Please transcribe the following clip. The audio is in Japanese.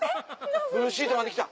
ブルーシートまで来た。